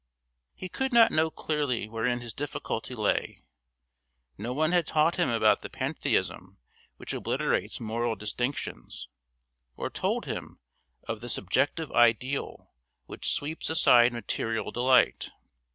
He could not know clearly wherein his difficulty lay; no one had taught him about the Pantheism which obliterates moral distinctions, or told him of the subjective ideal which sweeps aside material delight.